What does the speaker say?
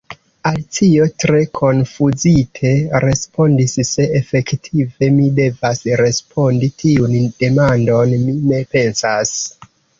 Alicio, tre konfuzite, respondis: "Se efektive mi devas respondi tiun demandon, mi ne pensas."